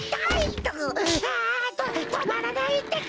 あとまらないってか！